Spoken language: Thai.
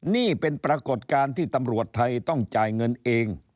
นี่เป็นปรากฏการณ์ที่ตำรวจไทยต้องจ่ายเงินเอง